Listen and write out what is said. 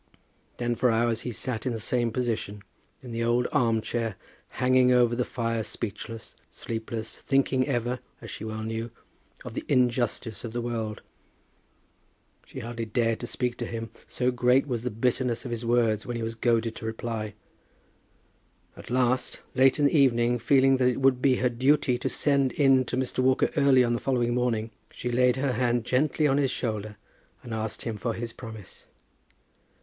Then for hours he sat in the same position, in the old arm chair, hanging over the fire speechless, sleepless, thinking ever, as she well knew, of the injustice of the world. She hardly dared to speak to him, so great was the bitterness of his words when he was goaded to reply. At last, late in the evening, feeling that it would be her duty to send in to Mr. Walker early on the following morning, she laid her hand gently on his shoulder and asked him for his promise.